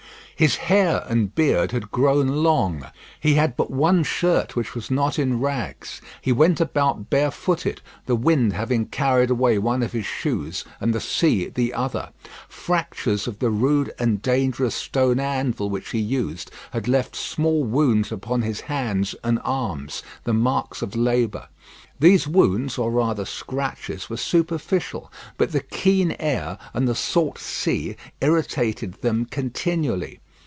His hair and beard had grown long. He had but one shirt which was not in rags. He went about bare footed, the wind having carried away one of his shoes and the sea the other. Fractures of the rude and dangerous stone anvil which he used had left small wounds upon his hands and arms, the marks of labour. These wounds, or rather scratches, were superficial; but the keen air and the salt sea irritated them continually.